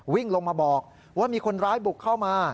วิ่งลงมาบอกว่ามีคนร้ายบุกเข้ามา